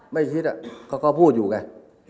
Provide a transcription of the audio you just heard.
ไม่คิดเขาก็พูดอยู่ไง